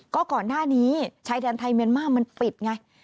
ก็ก่อนหน้านี้ชายแดนไทยเมียนมาร์มันปิดไง